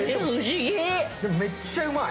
でも、めっちゃうまい。